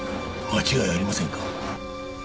間違いありませんか？